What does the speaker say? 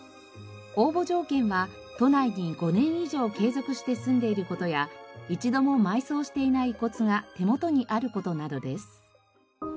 応募条件は都内に５年以上継続して住んでいる事や一度も埋葬していない遺骨が手元にある事などです。